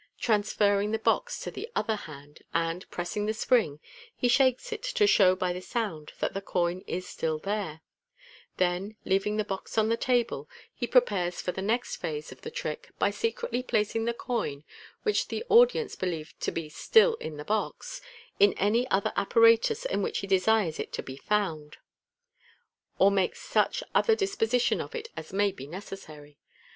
Transferring the box to the other hand, and pressing the spring, he shakes it to show by the sound that the coin is still there j then, leaving the box on the table, he prepares for the next phase of the trick by secretly placing the coin, which the audience believe to be still in Fig. 83. 190 MODERN MAGIC. the box, in any other apparatus in which he desires it to be found, or makes such other disposition of it as may be necessary.